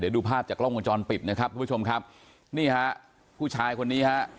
ดูภาพจากกล้องวงจรปิดนะครับทุกผู้ชมครับนี่ฮะผู้ชายคนนี้ฮะ